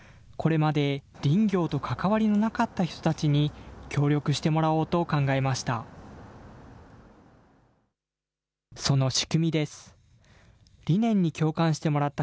これまで林業と関わりのなかった人たちに、協力してもらおうと考えました。